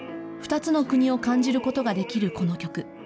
２つの国を感じることができるこの曲。